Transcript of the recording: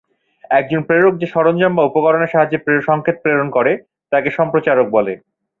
একজন প্রেরক যে সরঞ্জাম বা উপকরণের সাহায্যে সংকেত প্রেরণ করে, তাকে সম্প্রচারক বলে।